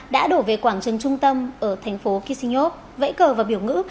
đã đổ về quảng trường trung tâm ở thành phố kishinov vẫy cờ và biểu ngữ